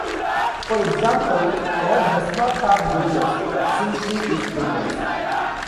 For example, God does not "have" goodness but simply "is" goodness.